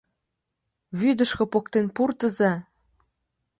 Вӱдышкӧ поктен пуртыза!..